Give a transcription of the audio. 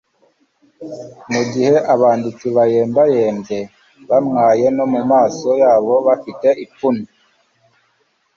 mu gihe abanditsi bayembayembye bamwaye, no mu maso yabo bafite ipfunwe.